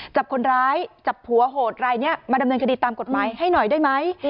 จับคนร้ายจับผัวโหดรายนี้มาดำเนินคดีตามกฎหมายให้หน่อยได้ไหม